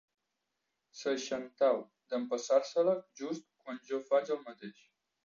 Seixanta-u d'empassar-se-la just quan jo faig el mateix.